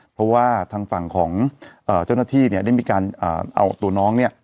เพราะว่าทางฝั่งของเจ้าหน้าที่เนี่ยได้มีการเอาตัวน้องเนี่ย